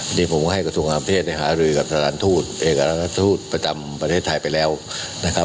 นี่ผมก็ให้กระทรวงการเพศได้หารือกับสถานทูตเอกราชทูตประจำประเทศไทยไปแล้วนะครับ